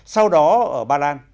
sau đó ở ba lan